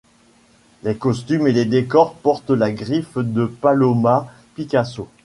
Les costumes et les décors portent la griffe de Paloma Picasso.